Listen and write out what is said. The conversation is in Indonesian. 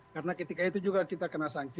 karena ketika itu juga kita kena sanksi